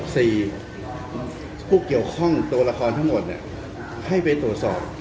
สี่ผู้เกี่ยวข้องตัวละครทั้งหมดเนี่ยให้ไปตรวจสอบ